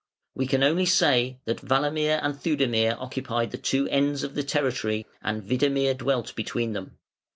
We can only say that Walamir and Theudemir occupied the two ends of the territory, and Widemir dwelt between them.